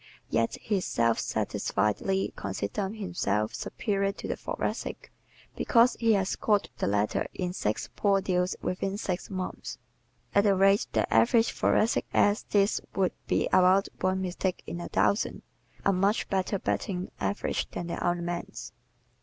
Yet he self satisfiedly considers himself superior to the Thoracic because he has caught the latter in six "poor deals within six months." At the rate the average Thoracic acts this would be about one mistake in a thousand a much "better batting average" than the other man's.